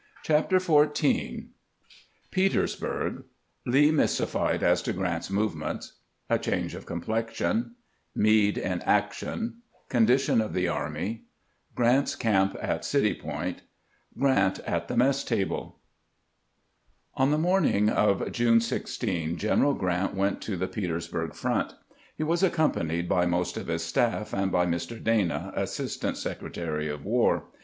CHAPTER XIV PETEKSBUEG — LEE MYSTIFIED AS TO GEANT'S MOVEMENTS — A CHANGE OF COMPLEXION — MEADE IN ACTION — CONDITION OF THE AEMT — GKANT'S CAMP AT CITY POINT — GEANT AT THE MESS TABLE ON the morning of June 16 General Grant went to tlie Petersburg front. He was accompanied by most of his staff, and by Mr. Dana, Assistant Secretary of War.